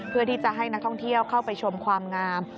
เพื่อที่จะให้นักท่องเที่ยวเข้าไปชมความงาม